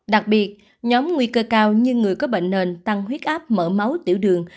đặc biệt nhóm nguy cơ cao như người có bệnh nền tăng huyết áp mở máu tiểu đường